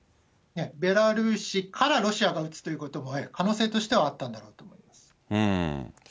ベラルーシからロシアが撃つということも、可能性としてはあったんだろうと思います。